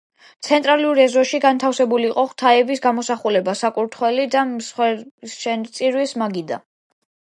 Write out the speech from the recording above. ცენტრალურ ეზოში განთავსებული იყო ღვთაების გამოსახულება, საკურთხეველი და მსხვერპლშეწირვის მაგიდა.